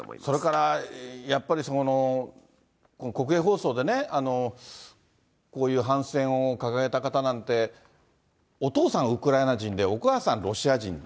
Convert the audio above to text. それからやっぱり国営放送でね、こういう反戦を掲げた方なんて、お父さん、ウクライナ人で、お母さん、ロシア人。